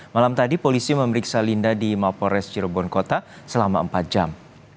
malam tadi polisi memeriksa linda di mapores cirebon kota selama empat jam